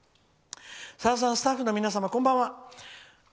「さださん、スタッフの皆様こんばんは。